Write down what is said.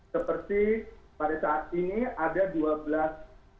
seperti pada saat ini ada dua belas orang